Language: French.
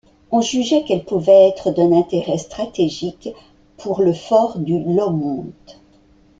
On jugeait qu'elle pouvait être d'un intérêt stratégique pour le fort du Lomont.